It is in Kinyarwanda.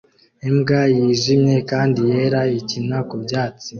Imbwa yijimye kandi yera ikina ku byatsi